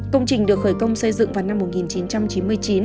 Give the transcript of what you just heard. công trình được khởi công xây dựng vào năm một nghìn chín trăm chín mươi chín